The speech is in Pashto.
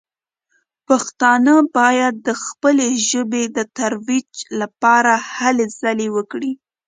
پښتانه باید د خپلې ژبې د ترویج لپاره هلې ځلې وکړي.